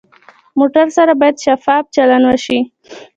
موټر سره باید شفاف چلند وشي.